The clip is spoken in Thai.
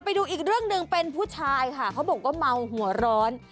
ไปดูอีกเรื่องหนึ่งเป็นผู้ชายค่ะเขาบอกว่าเมาหัวร้อน